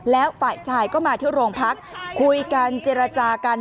แล้วฝ่ายชายก็มาที่โรงพักคุยกันเจรจากัน